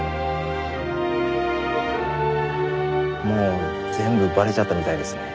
もう全部バレちゃったみたいですね。